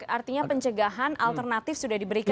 artinya pencegahan alternatif sudah diberikan